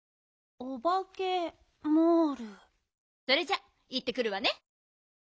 それじゃあいってくるわね。